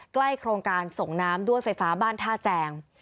โครงการส่งน้ำด้วยไฟฟ้าบ้านท่าแจง